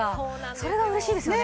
それが嬉しいですよね。